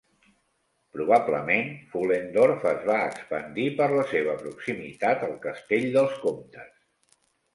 Probablement, Pfullendorf es va expandir per la seva proximitat al castell dels comtes.